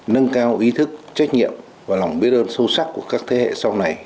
nâng cao ý thức trách nhiệm và lòng biết ơn sâu sắc của các thế hệ sau này